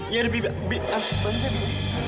ya udah bi bi apaan sih